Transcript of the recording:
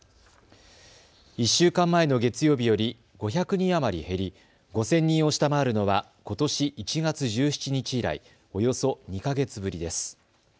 １週間前の月曜日より５００人余り減り５０００人を下回るのはことし１月１７日以来およそ２か月ぶりです。